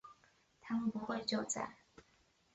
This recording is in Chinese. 他们不会救灾